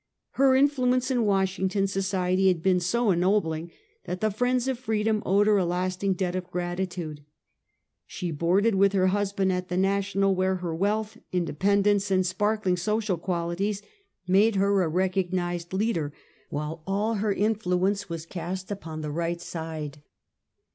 Her influ ence in Washington society had been so ennobling that the friends of freedom owed her a lasting debt of grati tude. She boarded with her husband at the ISTational where her wealth, independence and sparkling social qualities made her a recognized leader, while all her influence was cast upon the right side.